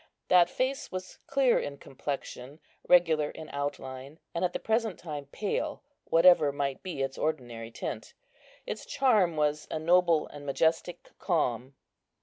That face was clear in complexion, regular in outline, and at the present time pale, whatever might be its ordinary tint. Its charm was a noble and majestic calm.